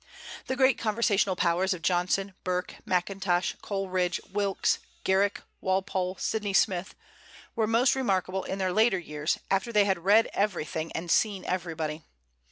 The great conversational powers of Johnson, Burke, Mackintosh, Coleridge, Wilkes, Garrick, Walpole, Sydney Smith, were most remarkable in their later years, after they had read everything and seen everybody.